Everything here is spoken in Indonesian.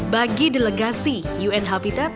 bagi delegasi un habitat